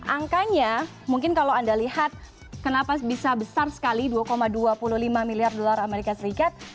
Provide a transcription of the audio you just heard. angkanya mungkin kalau anda lihat kenapa bisa besar sekali dua dua puluh lima miliar dolar amerika serikat